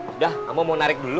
udah kamu mau narik dulu